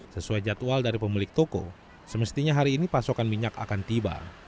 sesuai jadwal dari pemilik toko semestinya hari ini pasokan minyak akan tiba